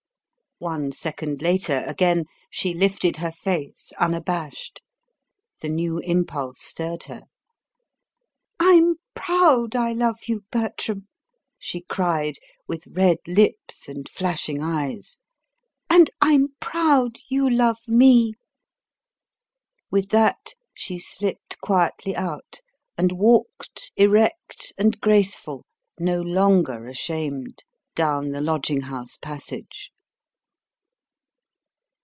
One second later, again, she lifted her face unabashed. The new impulse stirred her. "I'm proud I love you, Bertram," she cried, with red lips and flashing eyes; "and I'm proud you love me!" With that, she slipped quietly out, and walked, erect and graceful, no longer ashamed, down the lodging house passage.